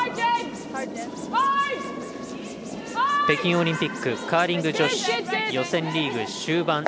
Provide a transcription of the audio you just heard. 北京オリンピックカーリング女子予選リーグ終盤。